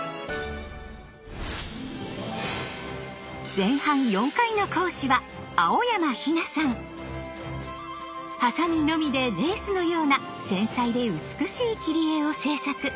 前半４回の講師はハサミのみでレースのような繊細で美しい切り絵を制作。